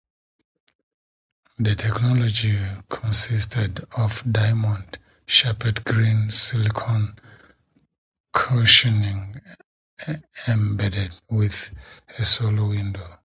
The technology consisted of diamond-shaped green silicon cushioning embedded within a sole window.